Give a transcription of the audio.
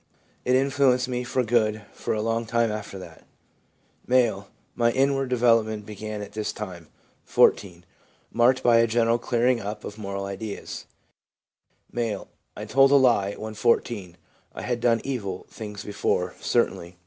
It influenced me for good for a long time after that.' M. ' My inward development began at this time (14), marked by a general clearing up of moral ideas/ M. ' I told a lie when 14 (I had done evil things before, certainly).